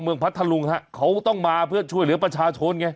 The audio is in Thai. พัทธลุงฮะเขาต้องมาเพื่อช่วยเหลือประชาชนไง